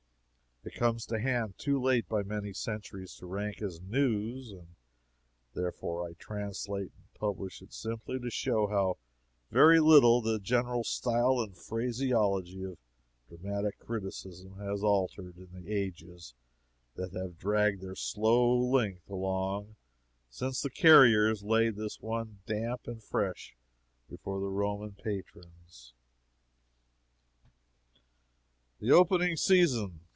It comes to hand too late by many centuries to rank as news, and therefore I translate and publish it simply to show how very little the general style and phraseology of dramatic criticism has altered in the ages that have dragged their slow length along since the carriers laid this one damp and fresh before their Roman patrons: "THE OPENING SEASON.